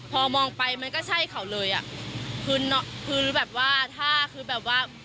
พอมองไปมันก็ใช่เขาเลยอ่ะคือคือแบบว่าถ้าคือแบบว่า